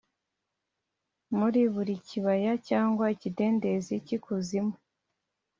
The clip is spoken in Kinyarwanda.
Muri buri kibaya cyangwa ikidendezi cy ikuzimu